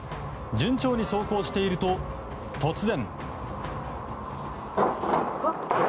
順調に走行していると突然。